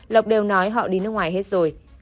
lộc đều nói họ đi nước ngoài hết rồi